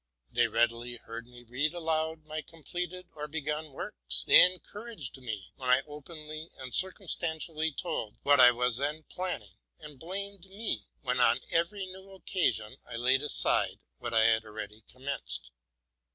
They liked to hear me read to them my works, either completed or begun: they encouraged me, when I openly and circumstantially told what I was then planning, and blamed me when on every new occasion I laid aside what I had already commenced.